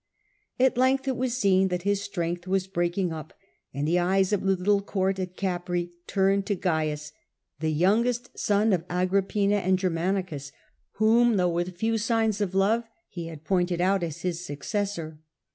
At length it was seen that his strength was breaking His death Up, and the eyes of the little court at (a.d. 37X Capreas turned to Caius, the youngest son of Agrippina and Germanicus, whom, though with few signs of love, he had pointed out as his successor.